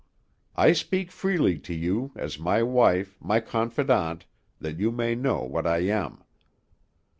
I speak freely to you, as my wife, my confidant, that you may know what I am."